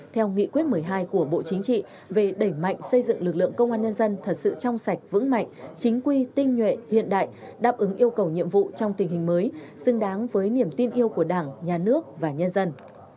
theo nghị quyết một mươi hai của bộ chính trị về đẩy mạnh xây dựng lực lượng công an nhân dân thật sự trong sạch vững mạnh chính quy tinh nhuệ hiện đại đáp ứng yêu cầu nhiệm vụ trong tình hình mới xứng đáng với niềm tin yêu của đảng nhà nước và nhân dân